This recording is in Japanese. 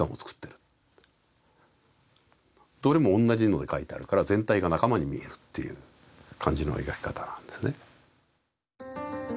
どれも同じので描いてあるから全体が仲間に見えるっていう感じの描き方なんですね。